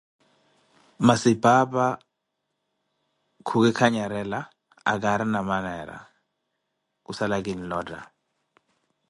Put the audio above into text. Masi paapa khuki kanyarela, akaarina maneera, kusala kinlotta.